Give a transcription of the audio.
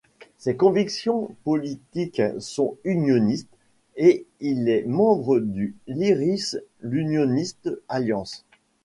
Ses convictions politiques sont unionistes, et il est membre du l'Irish Unionist Alliance.